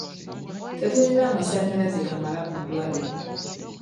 Tetulina masanyalaze gamala ku ddwaliro.